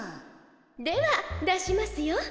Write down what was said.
では出しますよ。